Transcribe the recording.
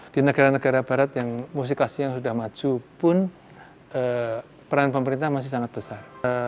di negara negara barat yang musik klasik yang sudah maju pun peran pemerintah masih sangat besar